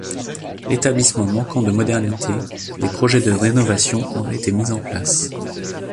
L'établissement manquant de modernité, des projets de rénovation ont été mis en place.